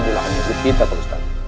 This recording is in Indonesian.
di kita pak ustad